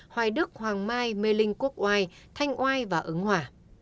hoài đức hoàng mai mê linh quốc oai thanh oai và ứng hòa